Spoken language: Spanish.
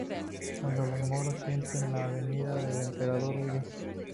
Cuando los moros sienten la venida del emperador, huyen.